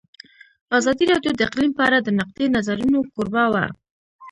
ازادي راډیو د اقلیم په اړه د نقدي نظرونو کوربه وه.